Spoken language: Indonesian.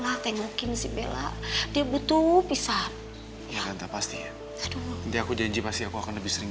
lateng mungkin si bella dia butuh pisah ya ganteng pasti ya dia aku janji pasti aku akan lebih sering